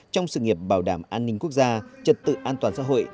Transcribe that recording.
trong sự nghiệp bảo đảm an ninh quốc gia trật tự an toàn xã hội